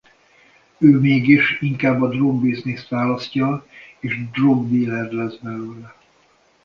Ő mégis inkább a drog-bizniszt választja és drogdíler lesz belőle.